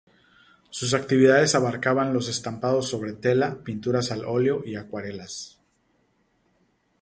Sus actividades abarcaban los estampados sobre tela, pinturas al óleo y acuarelas.